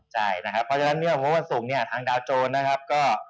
ใช่นะครับเพราะฉะนั้นเมื่อวันสุขเนี่ยทางดาวโจรนะครับก็